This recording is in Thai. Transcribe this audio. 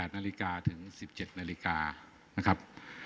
นาฬิกาถึง๑๗นาฬิกานะครับ